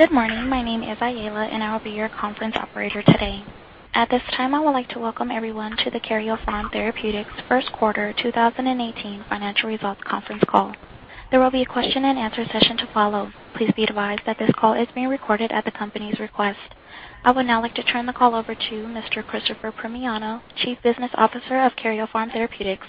Good morning. My name is Ayala, and I will be your conference operator today. At this time, I would like to welcome everyone to the Karyopharm Therapeutics first quarter 2018 financial results conference call. There will be a question and answer session to follow. Please be advised that this call is being recorded at the company's request. I would now like to turn the call over to Mr. Christopher Primiano, Chief Business Officer of Karyopharm Therapeutics.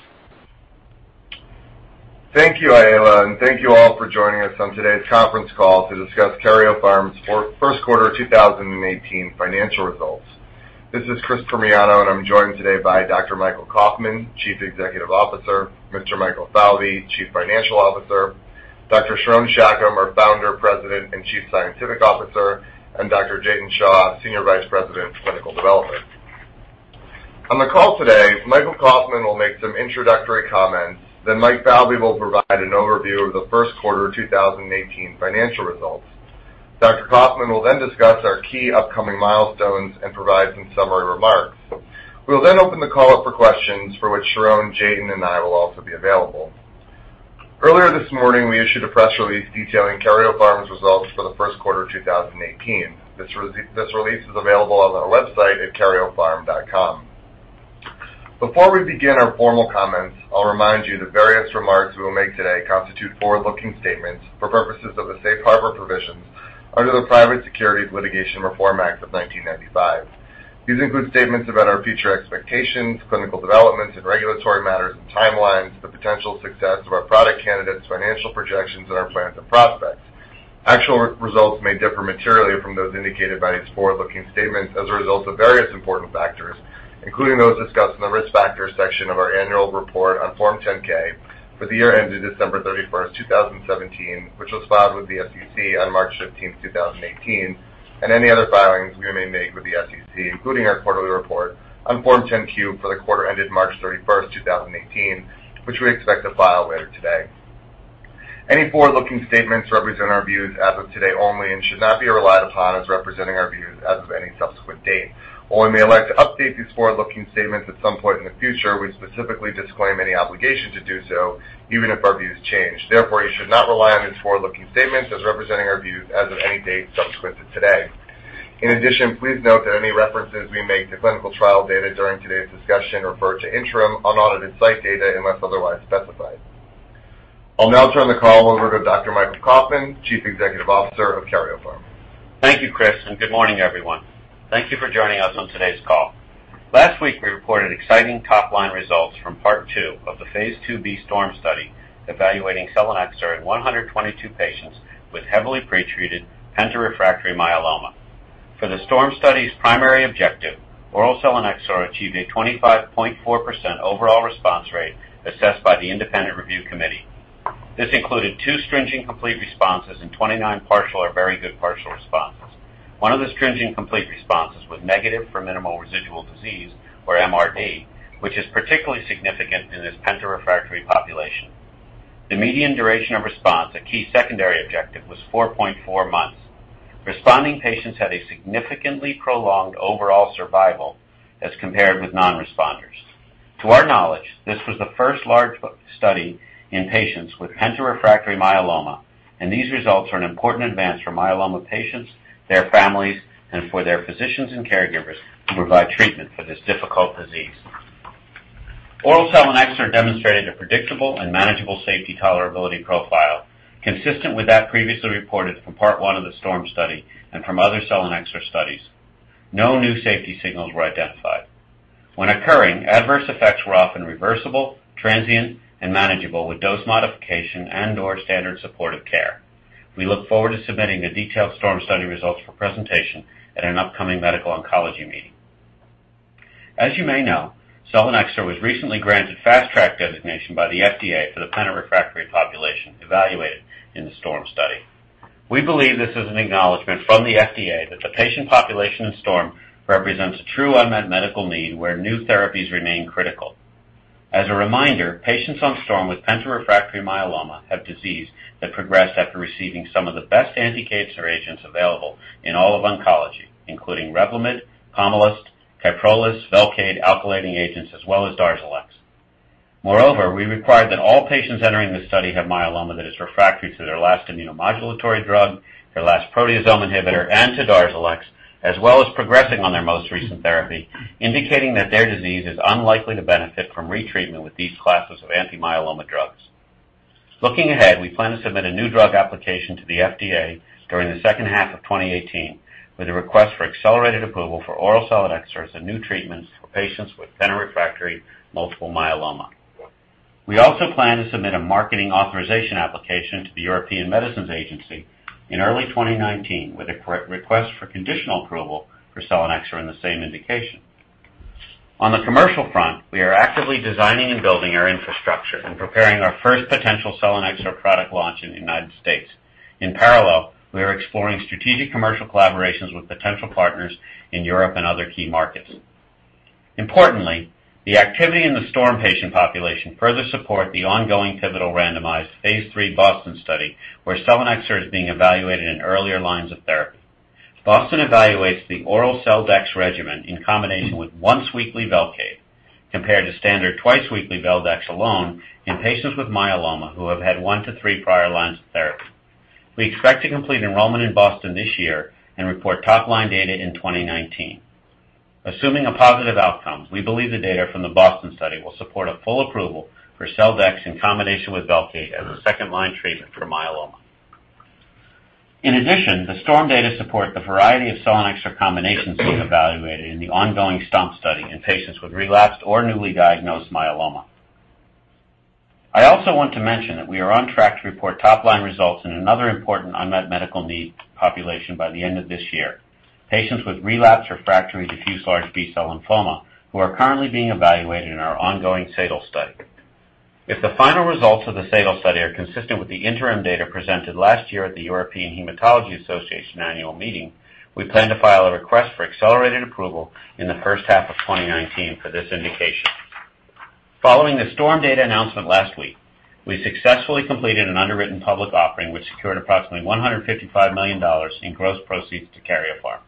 Thank you, Ayala, and thank you all for joining us on today's conference call to discuss Karyopharm's first quarter 2018 financial results. This is Chris Primiano, and I'm joined today by Dr. Michael Kauffman, Chief Executive Officer, Mr. Michael Falvey, Chief Financial Officer, Dr. Sharon Shacham, our Founder, President, and Chief Scientific Officer, and Dr. Jatin Shah, Senior Vice President of Clinical Development. On the call today, Michael Kauffman will make some introductory comments, then Mike Falvey will provide an overview of the first quarter of 2018 financial results. Dr. Kauffman will then discuss our key upcoming milestones and provide some summary remarks. We will then open the call up for questions for which Sharon, Jatin, and I will also be available. Earlier this morning, we issued a press release detailing Karyopharm's results for the first quarter of 2018. This release is available on our website at karyopharm.com. Before we begin our formal comments, I'll remind you that various remarks we will make today constitute forward-looking statements for purposes of the safe harbor provisions under the Private Securities Litigation Reform Act of 1995. These include statements about our future expectations, clinical developments and regulatory matters and timelines, the potential success of our product candidates, financial projections, and our plans and prospects. Actual results may differ materially from those indicated by these forward-looking statements as a result of various important factors, including those discussed in the Risk Factors section of our annual report on Form 10-K for the year ended December 31st, 2017, which was filed with the SEC on March 15th, 2018, and any other filings we may make with the SEC, including our quarterly report on Form 10-Q for the quarter ended March 31st, 2018, which we expect to file later today. Any forward-looking statements represent our views as of today only and should not be relied upon as representing our views as of any subsequent date. While we may elect to update these forward-looking statements at some point in the future, we specifically disclaim any obligation to do so, even if our views change. Therefore, you should not rely on these forward-looking statements as representing our views as of any date subsequent to today. In addition, please note that any references we make to clinical trial data during today's discussion refer to interim unaudited site data unless otherwise specified. I'll now turn the call over to Dr. Michael Kauffman, Chief Executive Officer of Karyopharm. Thank you, Chris, and good morning, everyone. Thank you for joining us on today's call. Last week, we reported exciting top-line results from Part 2 of the phase II-B STORM study evaluating selinexor in 122 patients with heavily pretreated penta-refractory myeloma. For the STORM study's primary objective, oral selinexor achieved a 25.4% overall response rate assessed by the Independent Review Committee. This included two stringent complete responses and 29 partial or very good partial responses. One of the stringent complete responses was negative for minimal residual disease, or MRD, which is particularly significant in this penta-refractory population. The median duration of response, a key secondary objective, was 4.4 months. Responding patients had a significantly prolonged overall survival as compared with non-responders. To our knowledge, this was the first large study in patients with penta-refractory myeloma. These results are an important advance for myeloma patients, their families, and for their physicians and caregivers who provide treatment for this difficult disease. Oral selinexor demonstrated a predictable and manageable safety tolerability profile consistent with that previously reported from Part 1 of the STORM study and from other selinexor studies. No new safety signals were identified. When occurring, adverse effects were often reversible, transient, and manageable with dose modification and/or standard supportive care. We look forward to submitting the detailed STORM study results for presentation at an upcoming medical oncology meeting. As you may know, selinexor was recently granted Fast Track designation by the FDA for the penta-refractory population evaluated in the STORM study. We believe this is an acknowledgment from the FDA that the patient population in STORM represents a true unmet medical need where new therapies remain critical. As a reminder, patients on STORM with penta-refractory myeloma have disease that progressed after receiving some of the best anti-cancer agents available in all of oncology, including REVLIMID, POMALYST, KYPROLIS, Velcade, alkylating agents, as well as DARZALEX. Moreover, we required that all patients entering this study have myeloma that is refractory to their last immunomodulatory drug, their last proteasome inhibitor, and to DARZALEX, as well as progressing on their most recent therapy, indicating that their disease is unlikely to benefit from retreatment with these classes of anti-myeloma drugs. Looking ahead, we plan to submit a new drug application to the FDA during the second half of 2018 with a request for accelerated approval for oral selinexor as a new treatment for patients with penta-refractory multiple myeloma. We also plan to submit a Marketing Authorisation Application to the European Medicines Agency in early 2019 with a request for conditional approval for selinexor in the same indication. On the commercial front, we are actively designing and building our infrastructure and preparing our first potential selinexor product launch in the United States. In parallel, we are exploring strategic commercial collaborations with potential partners in Europe and other key markets. Importantly, the activity in the STORM patient population further support the ongoing pivotal randomized phase III BOSTON study, where selinexor is being evaluated in earlier lines of therapy. The BOSTON study evaluates the oral seldex regimen in combination with once-weekly Velcade compared to standard twice-weekly Veldex alone in patients with myeloma who have had 1 to 3 prior lines of therapy. We expect to complete enrollment in BOSTON this year and report top-line data in 2019. Assuming a positive outcome, we believe the data from the BOSTON study will support a full approval for seldex in combination with Velcade as a second-line treatment for myeloma. In addition, the STORM data support the variety of selinexor combinations being evaluated in the ongoing STOMP study in patients with relapsed or newly diagnosed myeloma. I also want to mention that we are on track to report top-line results in another important unmet medical need population by the end of this year, patients with relapsed refractory diffuse large B-cell lymphoma who are currently being evaluated in our ongoing SADAL study. If the final results of the SADAL study are consistent with the interim data presented last year at the European Hematology Association annual meeting, we plan to file a request for accelerated approval in the first half of 2019 for this indication. Following the STORM data announcement last week, we successfully completed an underwritten public offering, which secured approximately $155 million in gross proceeds to Karyopharm.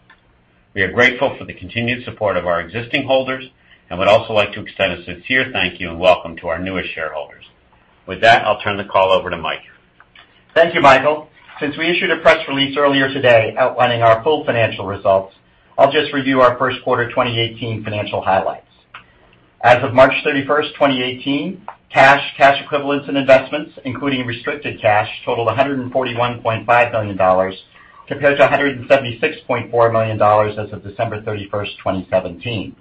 We are grateful for the continued support of our existing holders and would also like to extend a sincere thank you and welcome to our newest shareholders. With that, I'll turn the call over to Michael. Thank you, Michael. Since we issued a press release earlier today outlining our full financial results, I'll just review our first quarter 2018 financial highlights. As of March 31, 2018, cash equivalents, and investments, including restricted cash, totaled $141.5 million compared to $176.4 million as of December 31, 2017.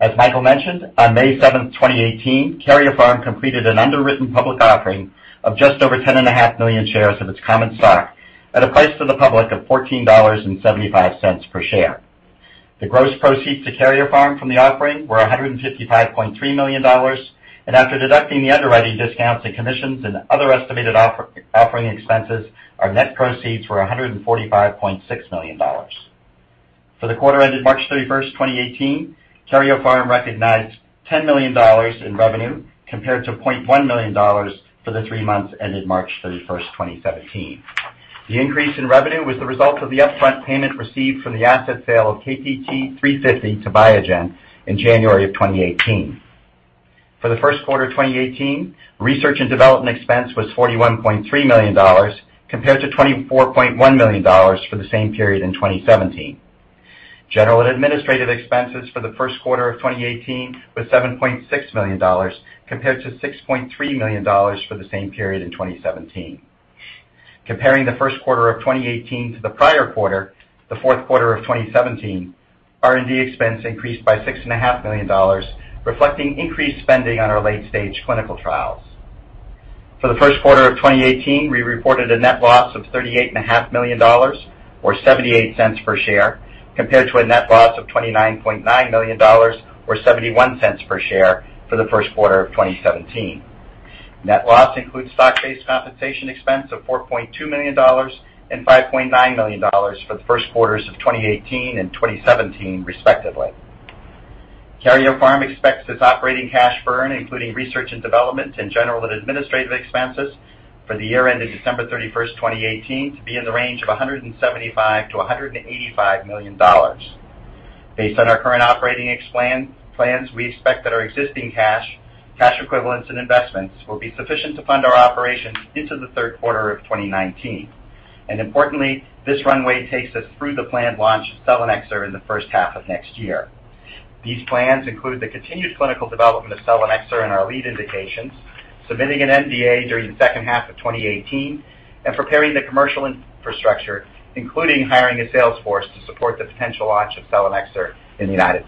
As Michael mentioned, on May 7, 2018, Karyopharm completed an underwritten public offering of just over 10.5 million shares of its common stock at a price to the public of $14.75 per share. The gross proceeds to Karyopharm from the offering were $155.3 million, and after deducting the underwriting discounts and commissions and other estimated offering expenses, our net proceeds were $145.6 million. For the quarter ended March 31, 2018, Karyopharm recognized $10 million in revenue compared to $0.1 million for the three months ended March 31, 2017. The increase in revenue was the result of the upfront payment received from the asset sale of KPT-350 to Biogen in January 2018. For the first quarter of 2018, research and development expense was $41.3 million compared to $24.1 million for the same period in 2017. General and administrative expenses for the first quarter of 2018 were $7.6 million compared to $6.3 million for the same period in 2017. Comparing the first quarter of 2018 to the prior quarter, the fourth quarter of 2017, R&D expense increased by $6.5 million, reflecting increased spending on our late-stage clinical trials. For the first quarter of 2018, we reported a net loss of $38.5 million or $0.78 per share, compared to a net loss of $29.9 million or $0.71 per share for the first quarter of 2017. Net loss includes stock-based compensation expense of $4.2 million and $5.9 million for the first quarters of 2018 and 2017, respectively. Karyopharm expects its operating cash burn, including research and development and general and administrative expenses for the year ended December 31st, 2018, to be in the range of $175 million-$185 million. Based on our current operating plans, we expect that our existing cash equivalents, and investments will be sufficient to fund our operations into the third quarter of 2019. Importantly, this runway takes us through the planned launch of selinexor in the first half of next year. These plans include the continued clinical development of selinexor in our lead indications, submitting an NDA during the second half of 2018, and preparing the commercial infrastructure, including hiring a sales force to support the potential launch of selinexor in the U.S.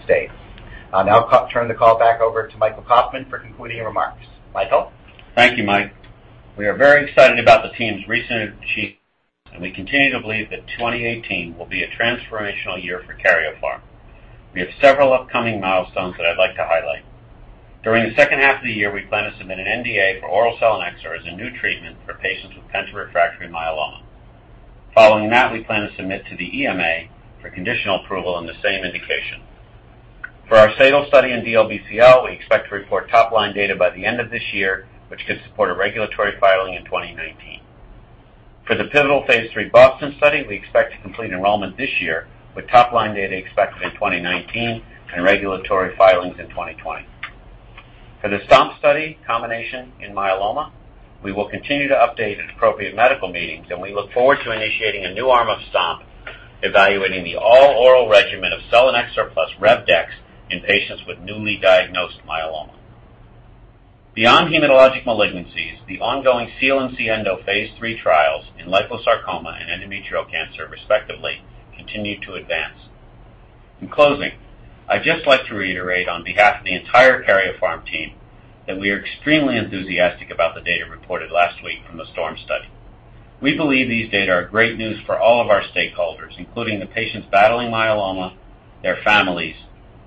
I'll now turn the call back over to Michael Kauffman for concluding remarks. Michael? Thank you, Mike. We are very excited about the team's recent achievements. We continue to believe that 2018 will be a transformational year for Karyopharm. We have several upcoming milestones that I'd like to highlight. During the second half of the year, we plan to submit an NDA for oral selinexor as a new treatment for patients with penta-refractory myeloma. Following that, we plan to submit to the EMA for conditional approval on the same indication. For our SADAL study in DLBCL, we expect to report top-line data by the end of this year, which could support a regulatory filing in 2019. For the pivotal phase III BOSTON study, we expect to complete enrollment this year, with top-line data expected in 2019 and regulatory filings in 2020. For the STOMP study combination in myeloma, we will continue to update at appropriate medical meetings. We look forward to initiating a new arm of STOMP evaluating the all-oral regimen of selinexor plus Rev/Dex in patients with newly diagnosed myeloma. Beyond hematologic malignancies, the ongoing SEAL and SIENDO phase III trials in liposarcoma and endometrial cancer, respectively, continue to advance. In closing, I'd just like to reiterate on behalf of the entire Karyopharm team that we are extremely enthusiastic about the data reported last week from the STORM study. We believe these data are great news for all of our stakeholders, including the patients battling myeloma, their families,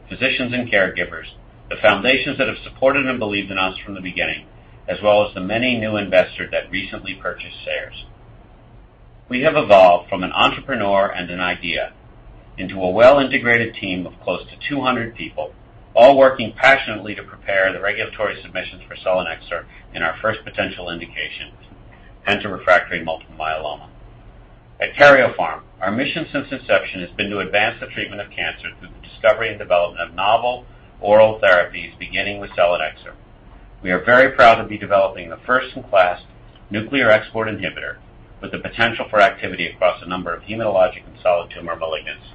physicians and caregivers, the foundations that have supported and believed in us from the beginning, as well as the many new investors that recently purchased shares. We have evolved from an entrepreneur and an idea into a well-integrated team of close to 200 people, all working passionately to prepare the regulatory submissions for selinexor in our first potential indication, to refractory multiple myeloma. At Karyopharm, our mission since inception has been to advance the treatment of cancer through the discovery and development of novel oral therapies, beginning with selinexor. We are very proud to be developing the first-in-class nuclear export inhibitor with the potential for activity across a number of hematologic and solid tumor malignancies.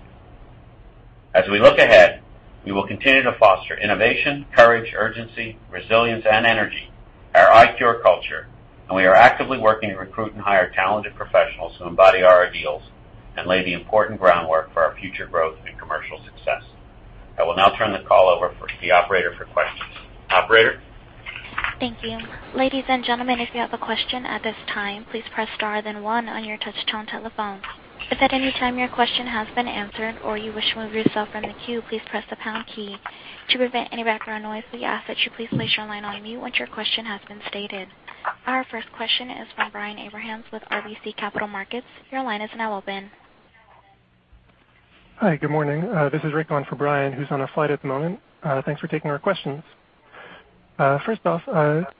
As we look ahead, we will continue to foster innovation, courage, urgency, resilience, and energy, our ICARE culture, and we are actively working to recruit and hire talented professionals who embody our ideals and lay the important groundwork for our future growth and commercial success. I will now turn the call over to the operator for questions. Operator? Thank you. Ladies and gentlemen, if you have a question at this time, please press star then one on your touchtone telephone. If at any time your question has been answered or you wish to remove yourself from the queue, please press the pound key. To prevent any background noise, we ask that you please place your line on mute once your question has been stated. Our first question is from Brian Abrahams with RBC Capital Markets. Your line is now open. Hi, good morning. This is Rick on for Brian, who's on a flight at the moment. Thanks for taking our questions. First off,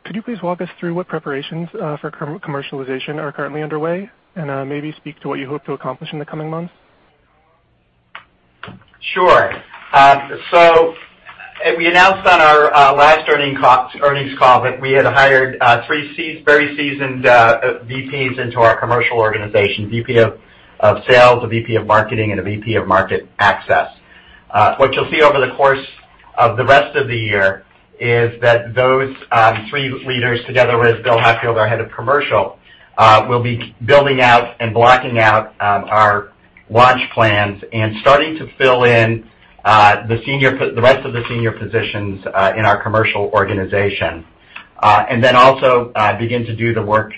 could you please walk us through what preparations for commercialization are currently underway, and maybe speak to what you hope to accomplish in the coming months? Sure. We announced on our last earnings call that we had hired three very seasoned VPs into our commercial organization, VP of sales, a VP of marketing, and a VP of market access. What you'll see over the course of the rest of the year is that those three leaders, together with Bill Hatfield, our head of commercial, will be building out and blocking out our launch plans and starting to fill in the rest of the senior positions in our commercial organization. Also begin to do the work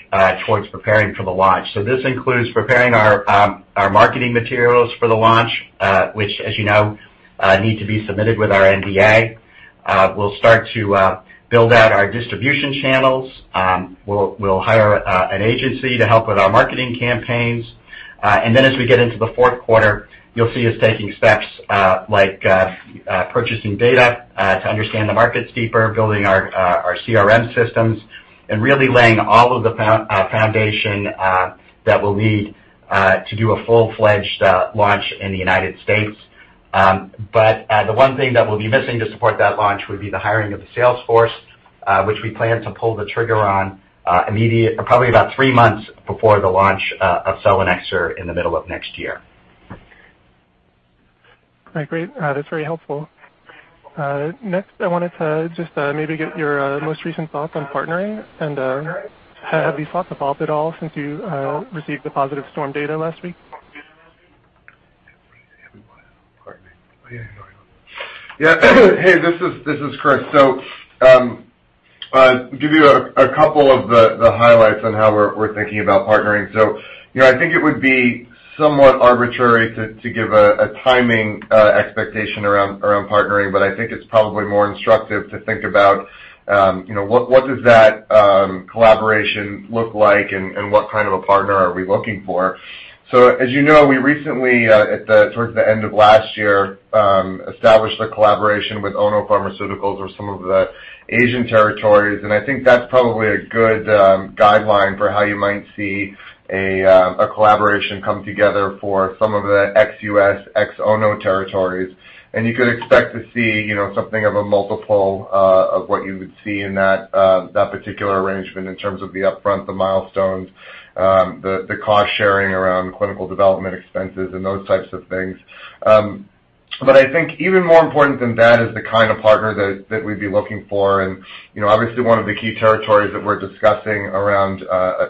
towards preparing for the launch. This includes preparing our marketing materials for the launch, which as you know, need to be submitted with our NDA. We'll start to build out our distribution channels. We'll hire an agency to help with our marketing campaigns. As we get into the fourth quarter, you'll see us taking steps like purchasing data to understand the markets deeper, building our CRM systems, and really laying all of the foundation that we'll need to do a full-fledged launch in the United States. The one thing that we'll be missing to support that launch would be the hiring of the sales force, which we plan to pull the trigger on probably about three months before the launch of selinexor in the middle of next year. All right, great. That's very helpful. Next, I wanted to just maybe get your most recent thoughts on partnering, and have you thought about it at all since you received the positive STORM data last week? Yeah. Hey, this is Chris. Give you a couple of the highlights on how we're thinking about partnering. I think it would be somewhat arbitrary to give a timing expectation around partnering, but I think it's probably more instructive to think about what does that collaboration look like, and what kind of a partner are we looking for. As you know, we recently, towards the end of last year, established a collaboration with Ono Pharmaceutical over some of the Asian territories, and I think that's probably a good guideline for how you might see a collaboration come together for some of the ex-U.S., ex-Ono territories. You could expect to see something of a multiple of what you would see in that particular arrangement in terms of the upfront, the milestones, the cost-sharing around clinical development expenses and those types of things. I think even more important than that is the kind of partner that we'd be looking for. Obviously one of the key territories that we're discussing around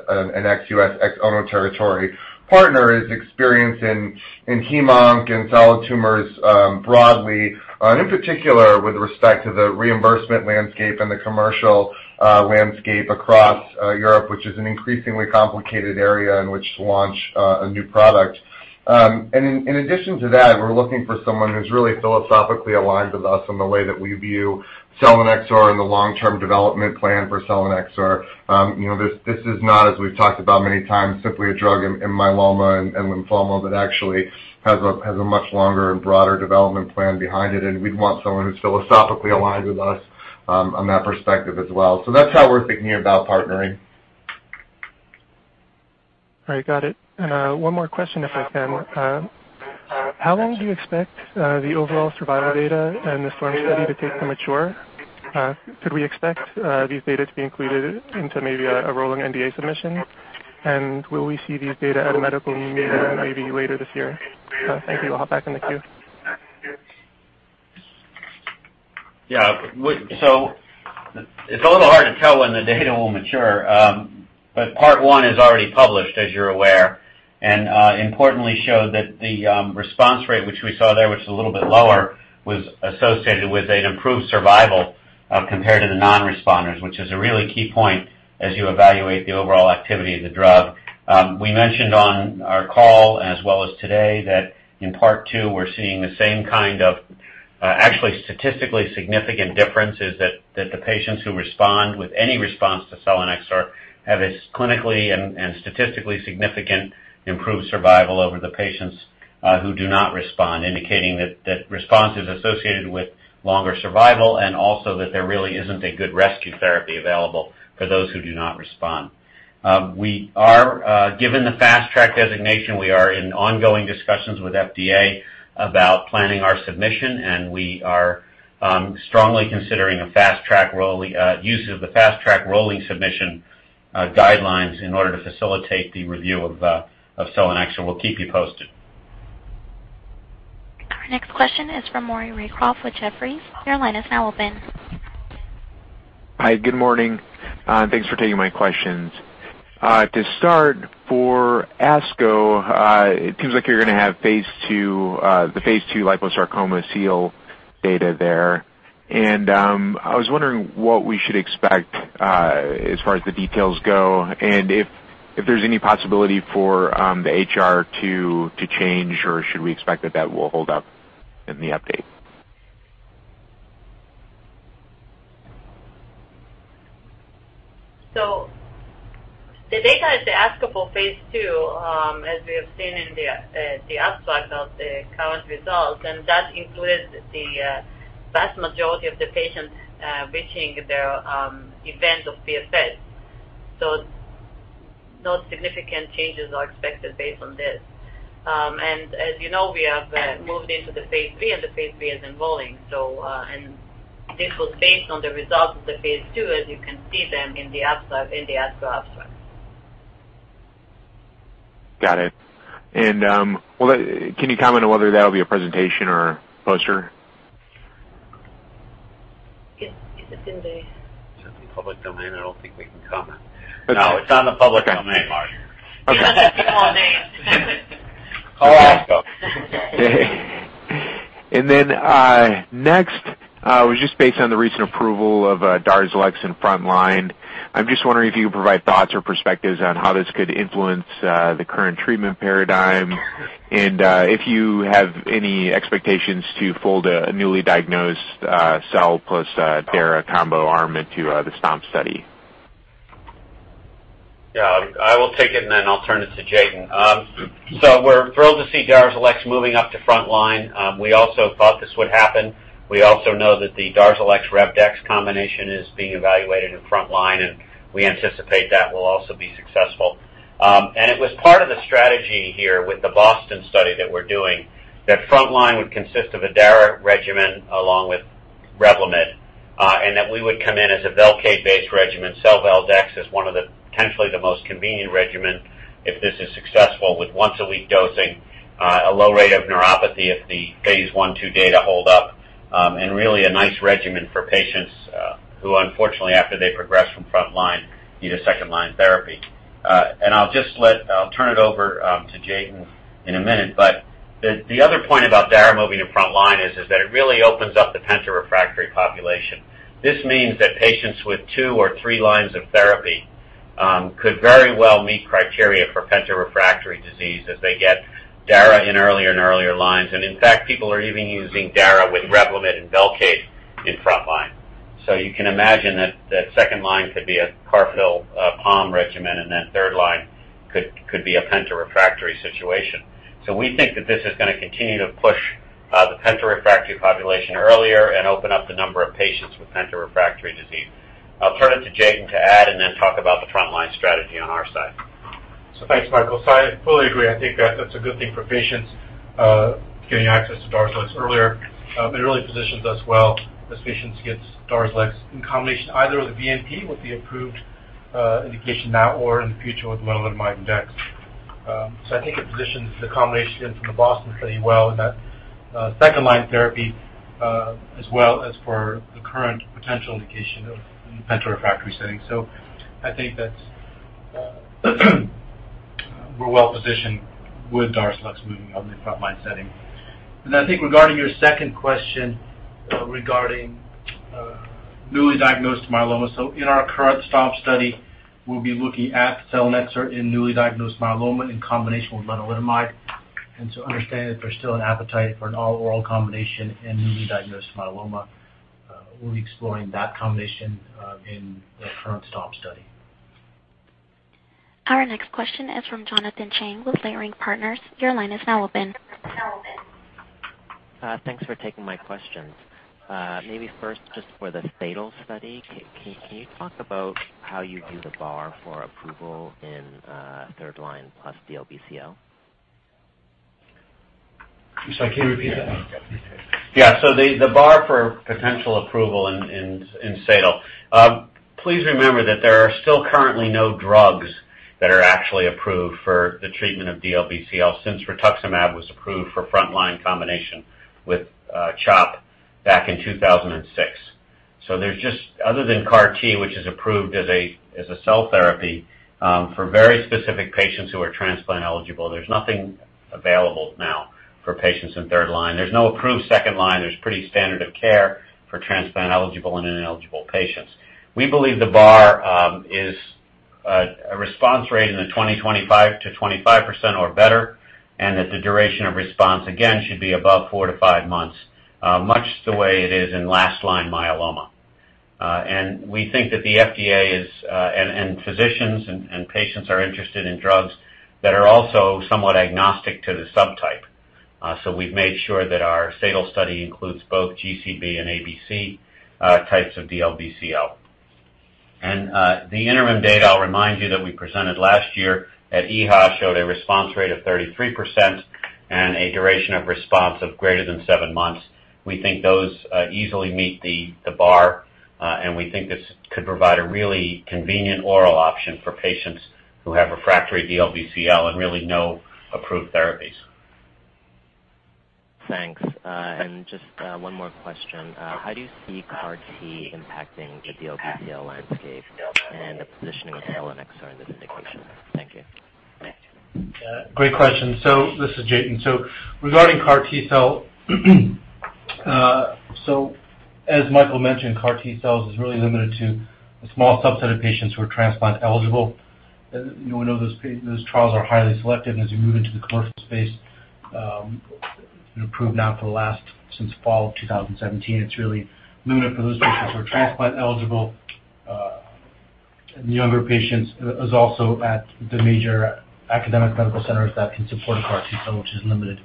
an ex-U.S., ex-Ono territory partner is experience in hemonc and solid tumors broadly. In particular, with respect to the reimbursement landscape and the commercial landscape across Europe, which is an increasingly complicated area in which to launch a new product. In addition to that, we're looking for someone who's really philosophically aligned with us in the way that we view selinexor and the long-term development plan for selinexor. This is not, as we've talked about many times, simply a drug in myeloma and lymphoma, but actually has a much longer and broader development plan behind it, and we'd want someone who's philosophically aligned with us on that perspective as well. That's how we're thinking about partnering. One more question, if I can. How long do you expect the overall survival data and the STORM study to take to mature? Could we expect these data to be included into maybe a rolling NDA submission? Will we see these data at a medical meeting maybe later this year? Thank you. I'll hop back in the queue. Yeah. It's a little hard to tell when the data will mature. Part One is already published, as you're aware, and importantly showed that the response rate, which we saw there was a little bit lower, was associated with an improved survival compared to the non-responders, which is a really key point as you evaluate the overall activity of the drug. We mentioned on our call as well as today that in Part Two, we're seeing the same kind of, actually statistically significant differences that the patients who respond with any response to selinexor have a clinically and statistically significant improved survival over the patients who do not respond, indicating that response is associated with longer survival and also that there really isn't a good rescue therapy available for those who do not respond. Given the Fast Track designation, we are in ongoing discussions with FDA about planning our submission. We are strongly considering the use of the Fast Track rolling submission guidelines in order to facilitate the review of selinexor. We'll keep you posted. Our next question is from Maury Raycroft with Jefferies. Your line is now open. Hi. Good morning, and thanks for taking my questions. To start, for ASCO, it seems like you're going to have the phase II liposarcoma SEAL data there. I was wondering what we should expect as far as the details go, and if there's any possibility for the HR to change, or should we expect that that will hold up in the update? The data at the ASCO for phase II, as we have seen in the abstract of the current results, and that includes the vast majority of the patients reaching their event of PFS. No significant changes are expected based on this. As you know, we have moved into the phase III, and the phase III is enrolling. This was based on the results of the phase II, as you can see them in the ASCO abstract. Got it. Can you comment on whether that'll be a presentation or a poster? If it's in the-. Public domain, I don't think we can comment. No, it's not in the public domain, Maury. He doesn't see your name. Call ASCO. Next was just based on the recent approval of DARZALEX in frontline. I'm just wondering if you could provide thoughts or perspectives on how this could influence the current treatment paradigm and if you have any expectations to fold a newly diagnosed sel plus dara combo arm into the STOMP study. Yeah, I will take it, then I'll turn it to Jatin. We're thrilled to see DARZALEX moving up to frontline. We also thought this would happen. We also know that the DARZALEX Rev/Dex combination is being evaluated in frontline, and we anticipate that will also be successful. It was part of the strategy here with the BOSTON study that we're doing, that frontline would consist of a Dara regimen along with REVLIMID. That we would come in as a VELCADE-based regimen. SelValDex is one of potentially the most convenient regimen if this is successful with once-a-week dosing, a low rate of neuropathy if the phase I/II data hold up, and really a nice regimen for patients who, unfortunately, after they progress from frontline, need a second-line therapy. I'll turn it over to Jatin in a minute, but the other point about Dara moving to frontline is that it really opens up the penta-refractory population. This means that patients with 2 or 3 lines of therapy could very well meet criteria for penta-refractory disease as they get Dara in earlier and earlier lines. In fact, people are even using Dara with REVLIMID and VELCADE in frontline. You can imagine that second-line could be a Carfil/Pom regimen, then third-line could be a penta-refractory situation. We think that this is going to continue to push the penta-refractory population earlier and open up the number of patients with penta-refractory disease. I'll turn it to Jatin to add and then talk about the frontline strategy on our side. Thanks, Michael. I fully agree. I think that that's a good thing for patients getting access to DARZALEX earlier. It really positions us well as patients get DARZALEX in combination either with the VMP with the approved indication now or in the future with lenalidomide dex. I think it positions the combination from the BOSTON study well in that second-line therapy as well as for the current potential indication of the penta-refractory setting. I think that we're well-positioned with DARZALEX moving up in the frontline setting. I think regarding your second question regarding newly diagnosed myeloma, in our current STOMP study, we'll be looking at selinexor in newly diagnosed myeloma in combination with lenalidomide. Understand that there's still an appetite for an all-oral combination in newly diagnosed myeloma. We'll be exploring that combination in the current STOMP study. Our next question is from Jonathan Chang with Leerink Partners. Your line is now open. Thanks for taking my questions. Maybe first, just for the SADAL study, can you talk about how you view the bar for approval in third line plus DLBCL? I'm sorry, can you repeat that? Yeah, the bar for potential approval in FATAL. Please remember that there are still currently no drugs that are actually approved for the treatment of DLBCL since rituximab was approved for frontline combination with CHOP back in 2006. Other than CAR T, which is approved as a cell therapy for very specific patients who are transplant eligible, there's nothing available now for patients in third line. There's no approved second line. There's pretty standard of care for transplant eligible and ineligible patients. We believe the bar is a response rate in the 20%, 25% or better, and that the duration of response, again, should be above four to five months, much the way it is in last line myeloma. We think that the FDA is, and physicians and patients are interested in drugs that are also somewhat agnostic to the subtype. We've made sure that our SADAL study includes both GCB and ABC types of DLBCL. The interim data, I'll remind you, that we presented last year at EHA, showed a response rate of 33% and a duration of response of greater than seven months. We think those easily meet the bar, we think this could provide a really convenient oral option for patients who have refractory DLBCL and really no approved therapies. Thanks. Just one more question. How do you see CAR T impacting the DLBCL landscape and the positioning of selinexor in this indication? Thank you. Thanks. Great question. This is Jatin. Regarding CAR T-cell, as Michael mentioned, CAR T-cells is really limited to a small subset of patients who are transplant eligible. We know those trials are highly selective. As you move into the commercial space, approved now for the last, since fall of 2017, it's really limited for those patients who are transplant eligible. Younger patients is also at the major academic medical centers that can support a CAR T-cell, which is limited.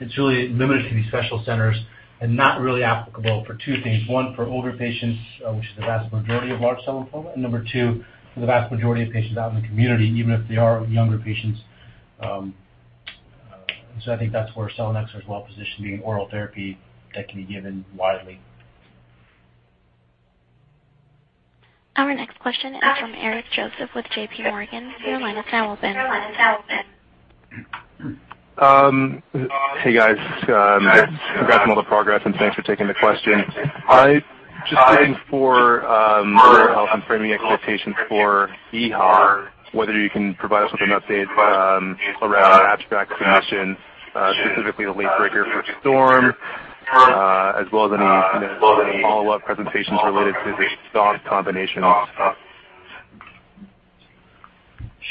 It's really limited to these special centers and not really applicable for two things. One, for older patients, which is the vast majority of large cell lymphoma, and number two, for the vast majority of patients out in the community, even if they are younger patients. I think that's where selinexor is well-positioned being an oral therapy that can be given widely. Our next question is from Eric Joseph with JPMorgan. Your line is now open. Hey, guys. Congrats on all the progress and thanks for taking the question. Just looking for more help in framing expectations for EHA, whether you can provide us with an update around abstract submissions, specifically the late breaker for STORM, as well as any follow-up presentations related to the STOMP combinations.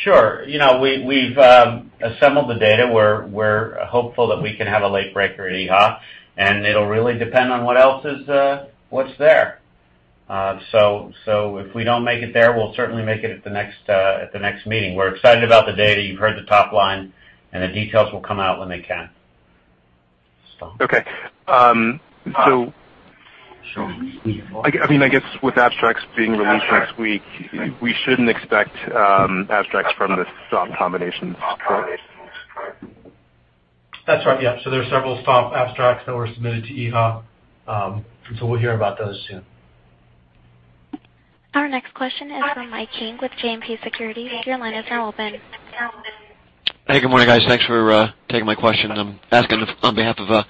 Sure. We've assembled the data. We're hopeful that we can have a late breaker at EHA, and it'll really depend on what's there. If we don't make it there, we'll certainly make it at the next meeting. We're excited about the data. You've heard the top line, and the details will come out when they can. Okay. Sure. I guess with abstracts being released next week, we shouldn't expect abstracts from the STOMP combinations, correct? That's right. Yeah. There are several STOMP abstracts that were submitted to EHA. We'll hear about those soon. Our next question is from Michael King with JMP Securities. Your line is now open. Hey, good morning, guys. Thanks for taking my question. I'm asking on behalf of a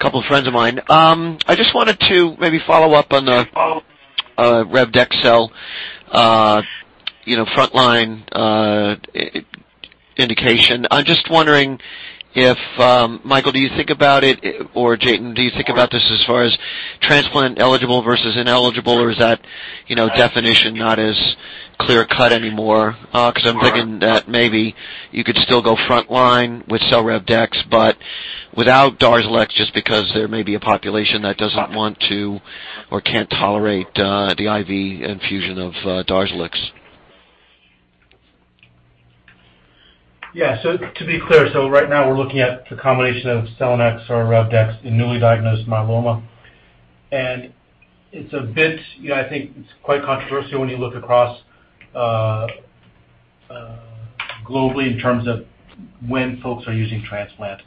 couple friends of mine. I just wanted to maybe follow up on the Rev/Dex selinexor frontline indication. I'm just wondering if, Michael, do you think about it, or Jatin, do you think about this as far as transplant eligible versus ineligible, or is that definition not as clear cut anymore? I'm thinking that maybe you could still go frontline with selinexor Rev/Dex, but without DARZALEX, just because there may be a population that doesn't want to or can't tolerate the IV infusion of DARZALEX. Yeah. To be clear, right now we're looking at the combination of selinexor Rev/Dex in newly diagnosed myeloma. I think it's quite controversial when you look across globally in terms of when folks are using transplant.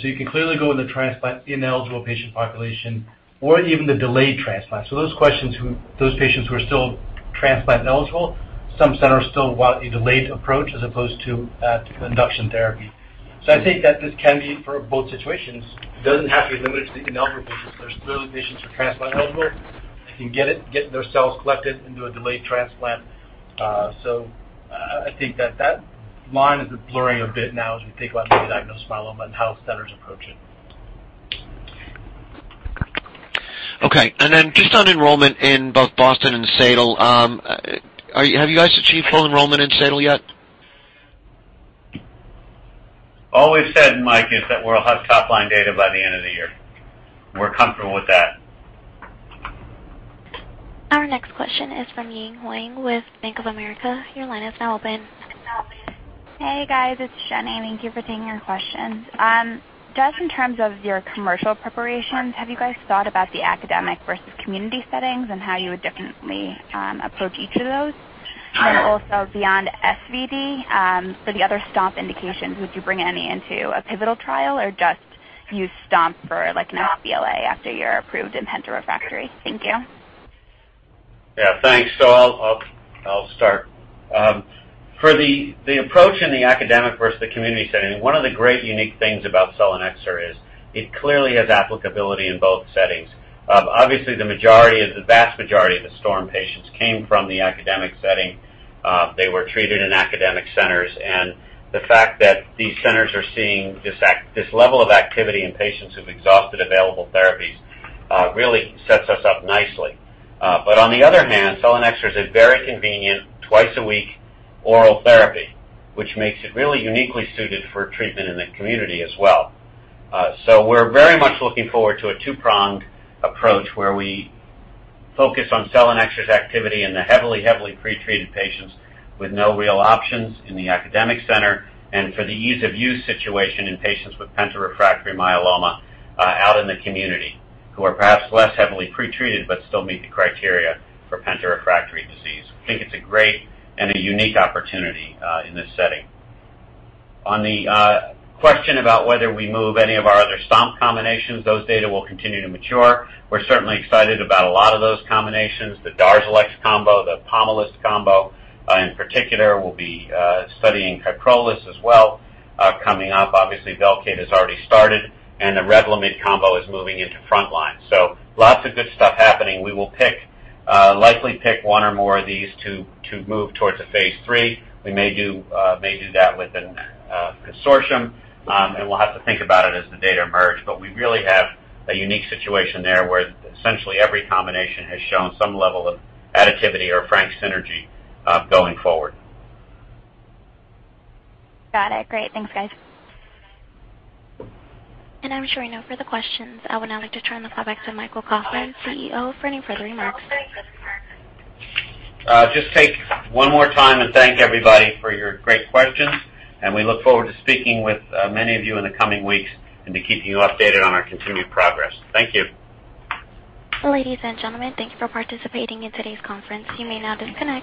You can clearly go in the transplant ineligible patient population or even the delayed transplant. Those patients who are still transplant eligible, some centers still want a delayed approach as opposed to induction therapy. I think that this can be for both situations. It doesn't have to be limited to the ineligible because there's clearly patients who are transplant eligible, they can get it, get their cells collected and do a delayed transplant. I think that line is blurring a bit now as we think about newly diagnosed myeloma and how centers approach it. Okay. Then just on enrollment in both BOSTON and SEAL, have you guys achieved full enrollment in SEAL yet? All we've said, Mike, is that we'll have top-line data by the end of the year. We're comfortable with that. Our next question is from Ying Huang with Bank of America. Your line is now open. Hey, guys. It's Jenny. Thank you for taking our questions. In terms of your commercial preparations, have you guys thought about the academic versus community settings and how you would differently approach each of those? Also, beyond SVd, for the other STOMP indications, would you bring any into a pivotal trial or just use STOMP for an sBLA after you're approved in penta-refractory? Thank you. Yeah, thanks. I'll start. For the approach in the academic versus the community setting, one of the great unique things about selinexor is it clearly has applicability in both settings. Obviously, the vast majority of the STORM patients came from the academic setting. They were treated in academic centers, the fact that these centers are seeing this level of activity in patients who've exhausted available therapies really sets us up nicely. On the other hand, selinexor is a very convenient, twice-a-week oral therapy, which makes it really uniquely suited for treatment in the community as well. We're very much looking forward to a two-pronged approach where we focus on selinexor's activity in the heavily pre-treated patients with no real options in the academic center, and for the ease-of-use situation in patients with penta-refractory myeloma out in the community, who are perhaps less heavily pre-treated but still meet the criteria for penta-refractory disease. We think it's a great and a unique opportunity in this setting. On the question about whether we move any of our other STOMP combinations, those data will continue to mature. We're certainly excited about a lot of those combinations, the DARZALEX combo, the POMALYST combo. In particular, we'll be studying KYPROLIS as well coming up. Obviously, Velcade has already started, and the REVLIMID combo is moving into frontline. Lots of good stuff happening. We will likely pick one or more of these to move towards a phase III. We may do that with a consortium, we'll have to think about it as the data emerge. We really have a unique situation there where essentially every combination has shown some level of additivity or frank synergy going forward. Got it. Great. Thanks, guys. I'm showing no further questions. I would now like to turn the call back to Michael Kauffman, CEO, for any further remarks. Just take one more time and thank everybody for your great questions, and we look forward to speaking with many of you in the coming weeks and to keeping you updated on our continued progress. Thank you. Ladies and gentlemen, thank you for participating in today's conference. You may now disconnect.